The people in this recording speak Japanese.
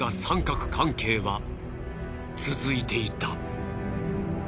三角関係は続いていた。